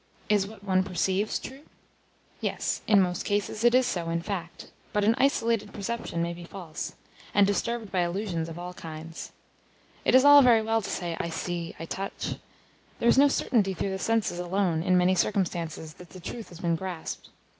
Is what one perceives true? Yes, in most cases it is so in fact; but an isolated perception may be false, and disturbed by illusions of all kinds. It is all very well to say, "I see, I touch." There is no certainty through the senses alone in many circumstances that the truth has been grasped.